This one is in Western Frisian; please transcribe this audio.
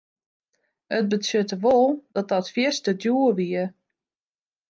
It betsjutte wol dat dat fierste djoer wie.